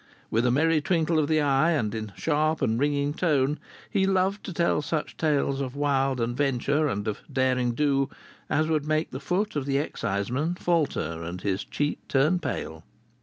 With a merry twinkle of the eye, and in a sharp and ringing tone, he loved to tell such tales of wild adventure and of "derring do," as would make the foot of the exciseman falter and his cheek turn pale.